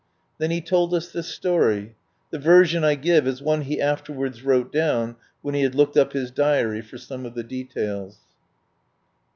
Then he told us this story. The version I give is one he afterwards wrote down when he had looked up his diary for some of the details.